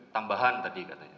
tambahan tadi katanya